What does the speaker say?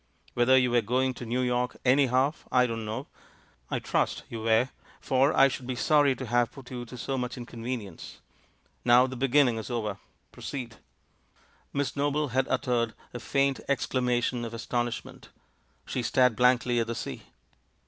Whether you were going to New York, anyhow, I don't know; I trust you w^ere, for I should be sorry to have put you to so much inconvenience. Now the be ginning is over — proceed!" Miss Noble had uttered a faint exclamation of astonishment ; she stared blankly at the sea.